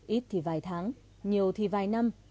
ít thì vài tháng nhiều thì vài năm